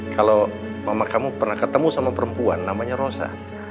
kalau mama kamu pernah ketemu sama perempuan namanya rosa